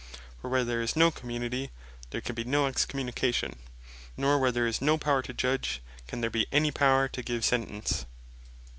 For where there is no community, there can bee no Excommunication; nor where there is no power to Judge, can there bee any power to give Sentence.